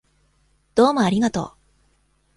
どうもありがとう。